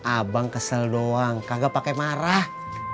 abang kesel doang kagak pakai marah